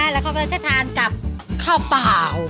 แล้วเขาก็จะทานกับข้าวเปล่า